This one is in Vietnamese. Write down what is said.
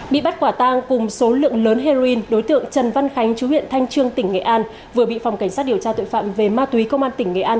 bị bắt quả tang cùng số lượng lớn heroin đối tượng trần văn khánh chú huyện thanh trương tỉnh nghệ an vừa bị phòng cảnh sát điều tra tội phạm về ma túy công an tỉnh nghệ an